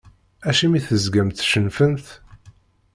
Acimi tezgamt tcennfemt?